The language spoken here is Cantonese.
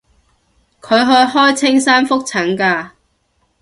佢去開青山覆診㗎